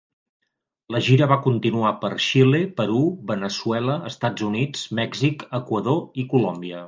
La gira va continuar per Xile, Perú, Veneçuela, Estats Units, Mèxic, Equador i Colòmbia.